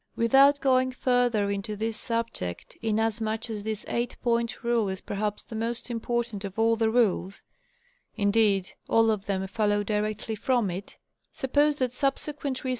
Without going further into this subject, inasmuch as this 8 point rule is perhaps the most important of all the rules—indeed, all of them follow directly from it,—suppose that subsequent re The Law of Storms.